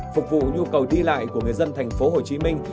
phục vụ nhu cầu đi lại của người dân thành phố hồ chí minh